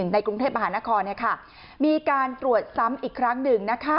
ในกรุงเทพมหานครมีการตรวจซ้ำอีกครั้งหนึ่ง